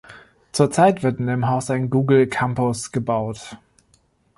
Zurzeit wird in dem Haus ein Google-Campus gebaut.